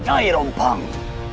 kau sudah tahu